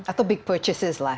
atau big purchases lah